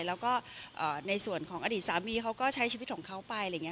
แล้วก็ในส่วนของอดีตสามีเขาก็ใช้ชีวิตของเขาไปอะไรอย่างนี้